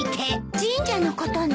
神社のことね。